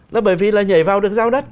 nó bởi vì là nhảy vào được giao đất